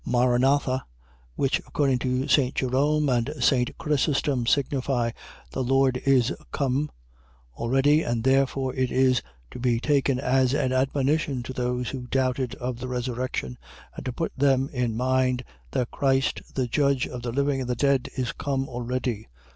Maran atha, which, according to St. Jerome and St. Chrysostom, signify, 'The Lord is come' already, and therefore is to be taken as an admonition to those who doubted of the resurrection, and to put them in mind that Christ, the judge of the living and the dead, is come already.